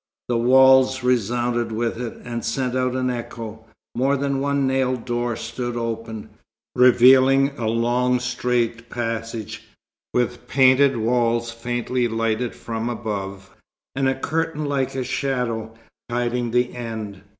The walls resounded with it, and sent out an echo. More than one nailed door stood open, revealing a long straight passage, with painted walls faintly lighted from above, and a curtain like a shadow, hiding the end.